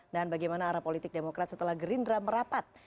dan bagaimana arah politik demokrat setelah gerindra merapat